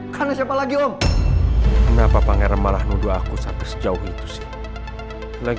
kenapa sih pangeran gak bisa banget jaga rahasia